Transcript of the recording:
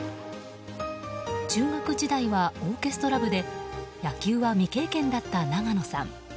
中学時代はオーケストラ部で野球は未経験だった永野さん。